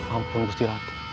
ampun gusti ratu